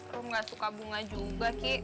aku gak suka bunga juga ki